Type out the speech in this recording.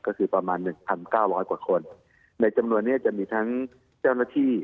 ก็คือประมาณ๑๙๐๐กว่าคนในจำนวนเนี่ยจะมีทั้งเจ้าหน้าที่